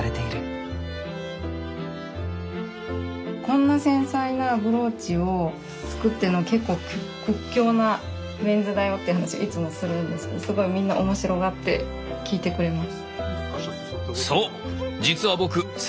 こんな繊細なブローチを作ってるのが結構屈強なメンズだよって話いつもするんですけどすごいみんな面白がって聞いてくれます。